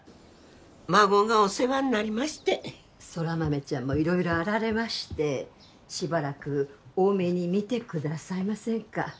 孫がお世話になりまして空豆ちゃんも色々あられましてしばらく大目に見てくださいませんか？